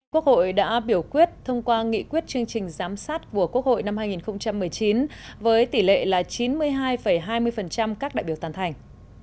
quốc hội đã biểu quyết thông qua nghị quyết chương trình giám sát của quốc hội năm hai nghìn một mươi chín với tỷ lệ là chín mươi hai hai mươi các đại biểu tán thành